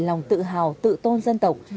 lòng tự hào tự tôn dân tộc